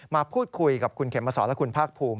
มาพูดคุยกับคุณเขมสอนและคุณภาคภูมิ